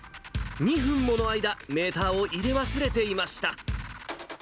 ２分もの間、メーターを入れ忘れていました。